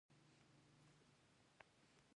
کندهار د افغان کلتور سره نږدې تړاو لري.